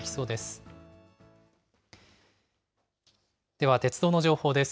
では鉄道の情報です。